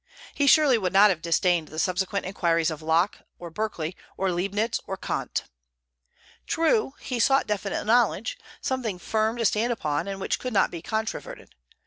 He surely would not have disdained the subsequent inquiries of Locke, or Berkeley, or Leibnitz, or Kant. True, he sought definite knowledge, something firm to stand upon, and which could not be controverted.